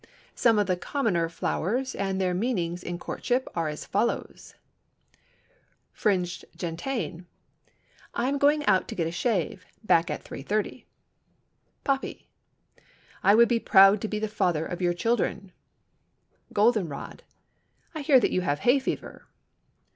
Some of the commoner flowers and their meaning in courtship are as follows: Fringed Gentian—"I am going out to get a shave. Back at 3:30." Poppy—"I would be proud to be the father of your children." Golden rod—"I hear that you have hay fever."